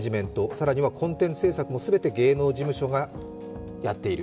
更にはコンテンツ制作も全て芸能事務所がやっている。